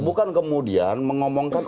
bukan kemudian mengomongkan